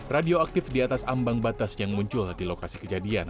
radioaktif di atas ambang batas yang muncul di lokasi kejadian